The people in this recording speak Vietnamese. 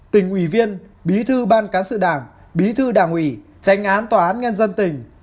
tỉnh ủy viên bí thư ban cán sự đảng bí thư đảng ủy tranh án tòa án nhân dân tỉnh